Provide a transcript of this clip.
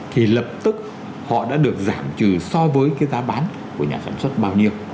thì lập tức họ đã được giảm trừ so với cái giá bán của nhà sản xuất bán